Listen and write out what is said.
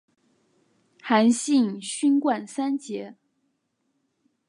韩信勋冠三杰。